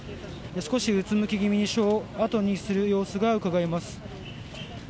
少しうつむき気味に署を後にする様子がうかがえます。